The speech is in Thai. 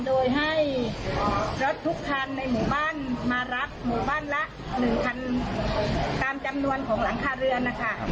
โดยให้รถทุกคันในหมู่บ้านมารับหมู่บ้านละ๑๐๐ตามจำนวนของหลังคาเรือนนะคะ